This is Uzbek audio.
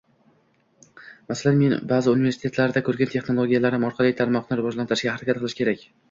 Masalan, men baʼzi universitetlarda koʻrgan texnologiyalarim orqali tarmoqni rivojlantirishga harakat qilish kerak.